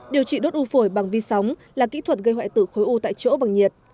điều trị đốt u phổi bằng vi sóng là kỹ thuật gây hoại tử khối u tại chỗ bằng nhiệt